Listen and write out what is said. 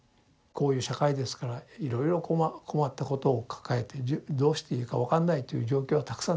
こういう社会ですからいろいろ困ったことを抱えてどうしていいか分かんないという状況はたくさん出てくるでしょう。